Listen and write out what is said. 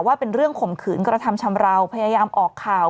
ว่าเป็นเรื่องข่มขืนกระทำชำราวพยายามออกข่าว